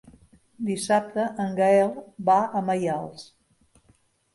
Dissabte en Gaël va a Maials.